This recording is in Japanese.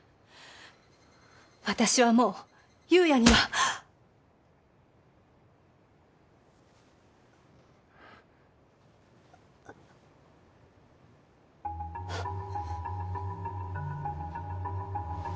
私はもう夕也にはハッ！